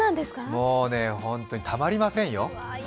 もうね、ホントにたまりませんよ。